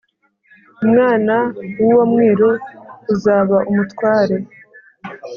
umwána w' uwo mwíru uzaba úmutware